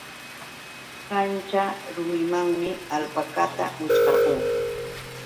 Kanćha rurimanmi alpakata wićhqarqu.